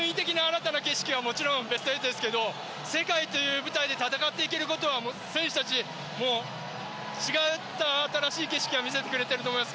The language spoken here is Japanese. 順位的な新たな景色はベスト８ですが世界という舞台で戦っていけることは選手たち違った新しい景色を見せてくれていると思います。